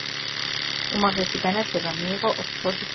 უმაღლესი განათლება მიიღო ოქსფორდის უნივერსიტეტში.